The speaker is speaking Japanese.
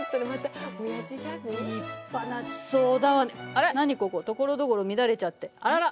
あら何ここところどころ乱れちゃってあらら！